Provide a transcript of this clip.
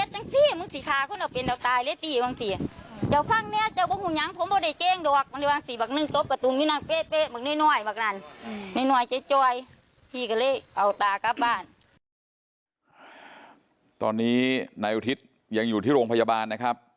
ตอนนี้นายอุทิศยังอยู่ที่โรงพยาบาลนะครับ